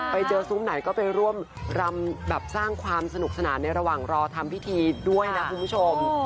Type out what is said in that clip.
ไปเจอซุ้มไหนก็ไปร่วมรำแบบสร้างความสนุกสนานในระหว่างรอทำพิธีด้วยนะคุณผู้ชม